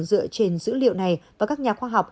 dựa trên dữ liệu này và các nhà khoa học